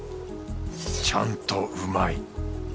ちゃんとうまい。